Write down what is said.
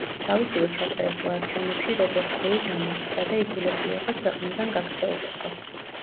თავისივე ჩატარებულ არჩევნებში რობერტ გეი დამარცხდა და იძულებული იყო ქვეყნიდან გაქცეულიყო.